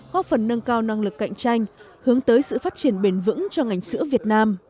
góp phần nâng cao năng lực cạnh tranh hướng tới sự phát triển bền vững cho ngành sữa việt nam